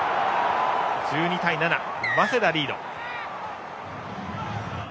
１２対７、早稲田リード。